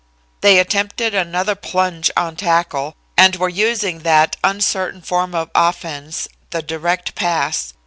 They attempted another plunge on tackle, and were using that uncertain form of offense, the direct pass.